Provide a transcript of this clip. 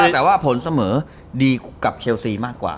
แต่ว่าผลเสมอดีกับเชลซีมากกว่า